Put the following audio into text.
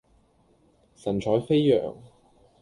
神采飛揚